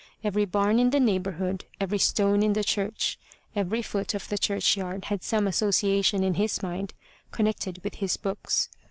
Every bam in the neighborhood, every stone in the church, every foot of the churchyard had some asso ciation in his mind connected with his books.